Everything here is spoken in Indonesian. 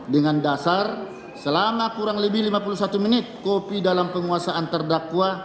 dengan dasar selama kurang lebih lima puluh satu menit kopi dalam penguasaan terdakwa